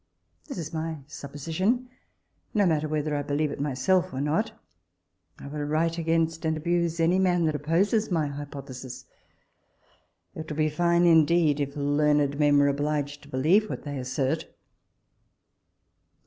This is my supposition; no matter whether I believe it myself or not. I will write against and abuse any man that opposes my hypothesis. It would be fine indeed if learned men were obliged to believe what they assert.